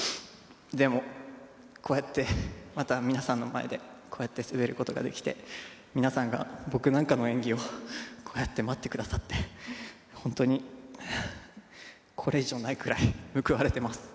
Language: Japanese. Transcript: でもこうやってまた皆さんの前でこうやって滑る事ができて皆さんが僕なんかの演技をこうやって待ってくださって本当にこれ以上ないくらい報われてます。